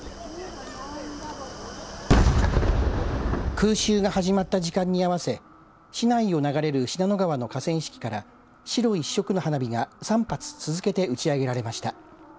空襲が始まった時間に合わせ市内を流れる信濃川の河川敷から白一色の花火が３発続けて打ち上げられました。